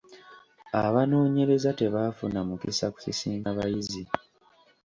Abanoonyereza tebaafuna mukisa kusisinkana bayizi.